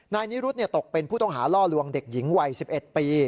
นายนิรุธตกเป็นผู้ต้องหาล่อลวงเด็กหญิงวัย๑๑ปี